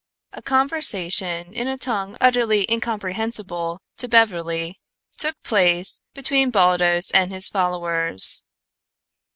A conversation in a tongue utterly incomprehensible to Beverly took place between Baldos and his followers.